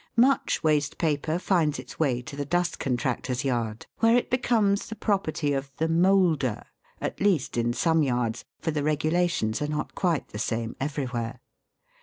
Much waste paper finds its way to the dust contractor's yard, where it becomes the property of the "moulder/' at least in some yards, for the regulations are not quite he same everywhere.